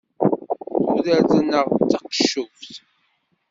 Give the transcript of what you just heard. Tudert-nneɣ d taceqquft.